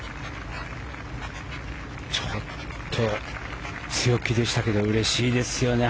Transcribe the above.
ちょっと強気でしたけどうれしいですよね。